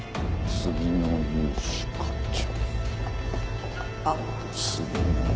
次の融資課長。